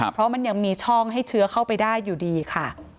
เพราะมันยังมีช่องให้เชื้อเข้าไปได้อยู่ดีค่ะ